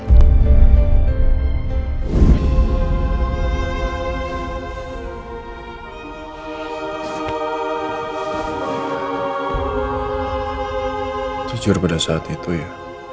jujur pada saat itu ya